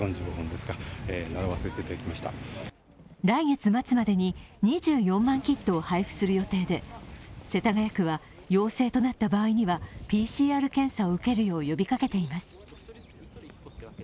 来月末までに２４万キットを配布する予定で世田谷区は、陽性となった場合にはＰＣＲ検査を受けるよう呼びかけています。